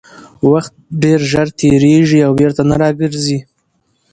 وخت ډېر ژر تېرېږي او بېرته نه راګرځي